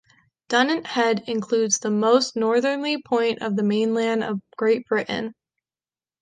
Dunnet Head includes the most northerly point of the mainland of Great Britain.